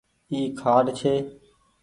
اي کآٽ ڇي